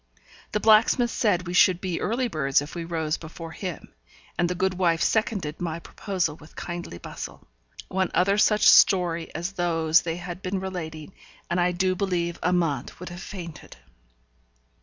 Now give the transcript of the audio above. The blacksmith said we should be early birds if we rose before him; and the good wife seconded my proposal with kindly bustle. One other such story as those they had been relating, and I do believe Amante would have fainted.